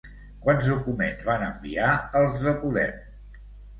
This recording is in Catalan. Quants documents van enviar els de Podem?